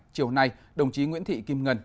chiều nay đồng chí nguyễn thị kim ngân